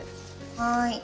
はい。